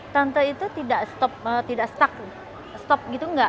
tante masih bernyanyi jadi tidak terlalu terlalu terganggu